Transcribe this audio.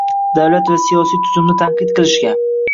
Davlat va siyosiy tuzumni tanqid qilishga